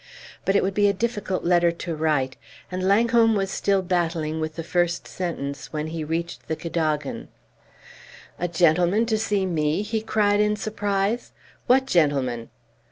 But it would be a difficult letter to write, and Langholm was still battling with the first sentence when he reached the Cadogan. "A gentleman to see me?" he cried in surprise. "What gentleman?"